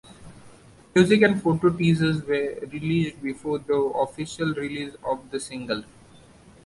Music and photo teasers were released before the official release of the single.